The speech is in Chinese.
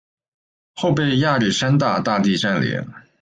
后被亚历山大大帝占领。